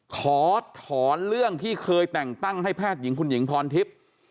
ขอถอนเรื่องที่เคยแต่งตั้งให้แพทย์หญิงคุณหญิงพรทิพย์